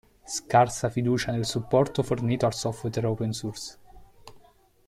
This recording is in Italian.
Scarsa fiducia nel supporto fornito al software open source.